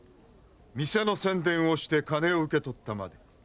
店の宣伝をして金を受け取ったまで。